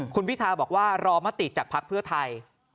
คุณพิทาบอกว่ารอมติจากภักดิ์เพื่อไทย